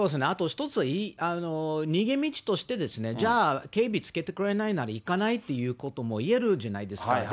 あと一つは逃げ道として、じゃあ、警備つけてくれないなら行かないっていうことも言えるじゃないですか。